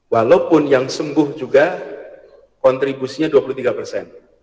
walaupun yang sembuh juga kontribusinya dua puluh tiga persen